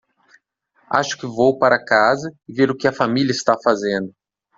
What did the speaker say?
Acho que vou para casa e ver o que a família está fazendo.